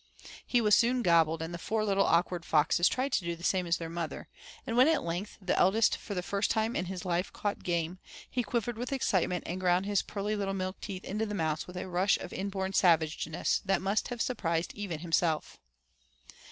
He was soon gobbled, and the four awkward little foxes tried to do the same as their mother, and when at length the eldest for the first time in his life caught game, he quivered with excitement and ground his pearly little milk teeth into the mouse with a rush of inborn savageness that must have surprised even himself.